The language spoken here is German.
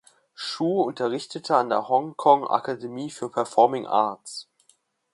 Su unterrichtet an der Hong Kong Academy for Performing Arts.